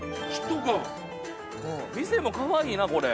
店もかわいいなこれ。